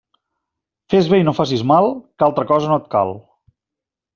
Fes bé i no facis mal, que altra cosa no et cal.